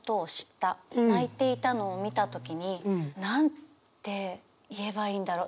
泣いていたのを見た時になんて言えばいいんだろ。